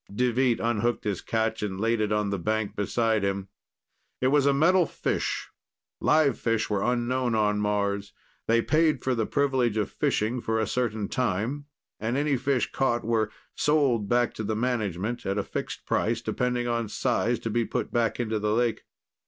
Deveet unhooked his catch and laid it on the bank beside him. It was a metal fish: live fish were unknown on Mars. They paid for the privilege of fishing for a certain time and any fish caught were "sold" back to the management at a fixed price, depending on size, to be put back into the lake.